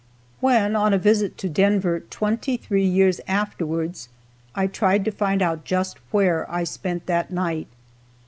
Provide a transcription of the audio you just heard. When on a visit to Denver, twenty three years afterwards, I tried to find out just where I spent that night.